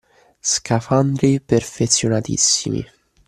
Scafandri perfezionatissimi